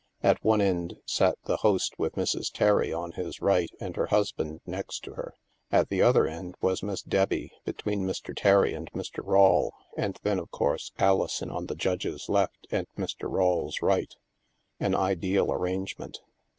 At one end sat the host with Mrs. Terry on his right and her husband next to her; at the other end was Miss Debbie between Mr. Terry and Mr. RawIe; and then, of course, AHson on the Judge's left and Mr. Rawle's right. An ideal ar rangement.